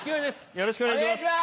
よろしくお願いします。